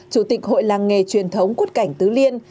chủ tịch hội làng nghề truyền thống quất cảnh tứ liên